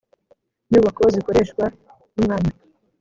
Nyubako zikoreshwa n umwanya